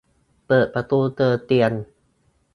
เปิดประตูเจอเตียง